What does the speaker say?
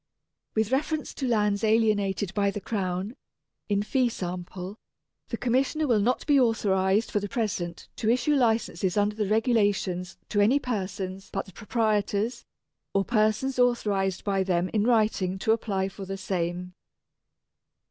With reference to lands alienated by the Crown, in fee simple, the Commissioner will not be authorized for the present to issue Licenses under the regulations to any persons but the proprietors, or persons authorized by them in writing to apply for the same.